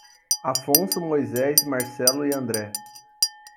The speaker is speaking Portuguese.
Afonso, Moisés, Marcelo e André